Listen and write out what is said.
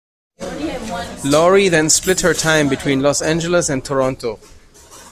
Laurie then split her time between Los Angeles and Toronto.